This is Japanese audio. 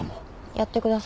やってください。